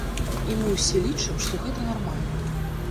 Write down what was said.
І мы ўсе лічым, што гэта нармальна.